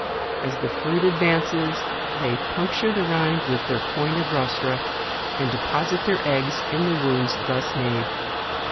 As the fruit advances, they puncture the rind with their pointed rostra, and deposit their eggs in the wounds thus made.